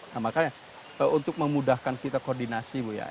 nah makanya untuk memudahkan kita koordinasi bu ya